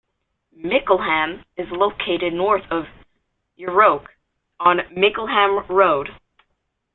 Mickleham is located north of Yuroke, on Mickleham Road.